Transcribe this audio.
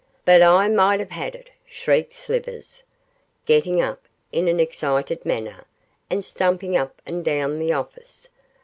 'But I might have had it!' shrieked Slivers, getting up in an excited manner, and stumping up and down the office.